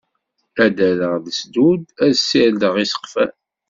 Ad d-rreɣ lesdud, ad sirdeɣ iseqfan.